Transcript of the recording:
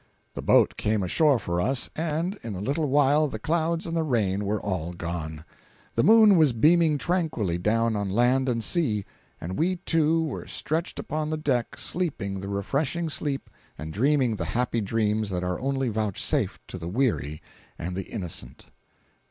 The boat came ashore for us, and in a little while the clouds and the rain were all gone. The moon was beaming tranquilly down on land and sea, and we two were stretched upon the deck sleeping the refreshing sleep and dreaming the happy dreams that are only vouchsafed to the weary and the innocent.